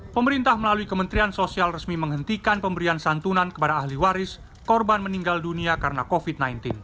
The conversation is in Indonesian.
pemerintah melalui kementerian sosial resmi menghentikan pemberian santunan kepada ahli waris korban meninggal dunia karena covid sembilan belas